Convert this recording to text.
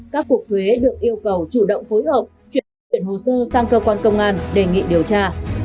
các cuộc thuế được yêu cầu chủ động phối hợp chuyển hồ sơ sang cơ quan công an đề nghị điều tra